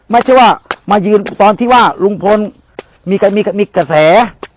ไม่ใช่ว่ามายืนตอนที่ว่าลุงพลมีกระแส